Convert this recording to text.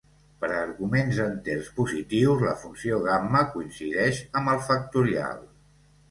Per a arguments enters positius, la funció gamma coincideix amb el factorial.